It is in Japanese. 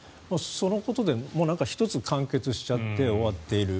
そのことで１つ完結しちゃって終わっている